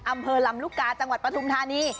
อำเภอลำลูกกาจังหวัดปฐุมธานี